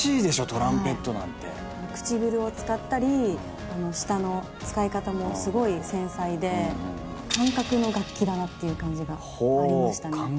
トランペットなんて唇を使ったり舌の使い方もすごい繊細で感覚の楽器だなっていう感じがほお感覚の楽器ありましたね